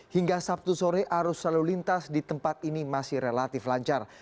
hingga sabtu sore arus lalu lintas di tempat ini masih relatif lancar